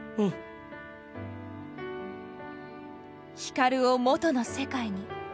光を元の世界に。